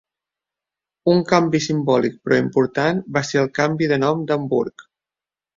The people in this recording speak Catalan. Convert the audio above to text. Un canvi simbòlic però important va ser el canvi de nom d'Hamburg.